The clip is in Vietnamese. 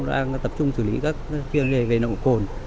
đang tập trung xử lý các chuyên liệu về nồng độ cồn